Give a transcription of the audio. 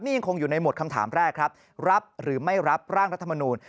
นี่ยังคงอยู่ในหวดคำถามแรกครับรับหรือไม่รับร่างรัฐมนูล